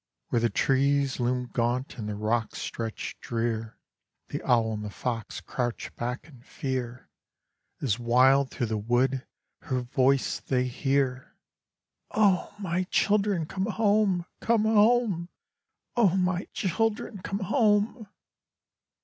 Where the trees loom gaunt and the rocks stretch drear, The owl and the fox crouch back in fear, As wild through the wood her voice they hear, "O my children, come home, come home! O my children, come home!"